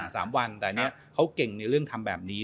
สามวันแต่อันนี้เขาเก่งในเรื่องทำแบบนี้